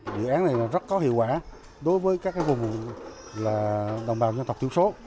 dự án này rất có hiệu quả đối với các vùng đồng bào nhân tộc tiêu số